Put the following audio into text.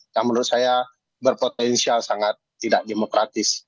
yang menurut saya berpotensial sangat tidak demokratis